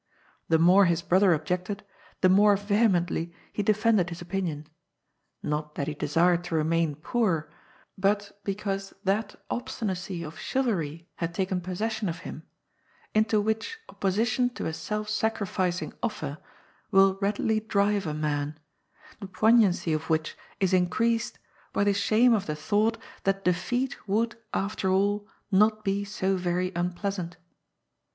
The more his brother objected, the more vehemently he defended his opinion — not that he de sired to remain poor, but because that obstinacy of chivalry had taken possession of him, into which opposition to a self sacrificing offer will readily drive a man, the poignancy of which is increased by the shame of the thought, that de feat would, after all, not be so very unpleasant.